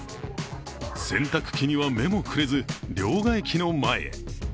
洗濯機には目もくれず両替機の前へ。